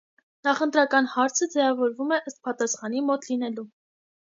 Նախընտրական հարցը ձևավորվում է ըստ պատասխանի մոտ լինելու։